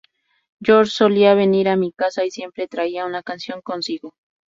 George solía venir a mi casa y siempre traía una canción consigo.